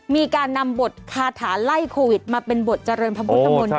มีการนำบทคาถาไล่โควิดมาเป็นบทเจริญพระพุทธมนตร์